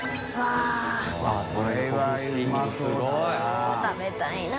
おっ食べたいな。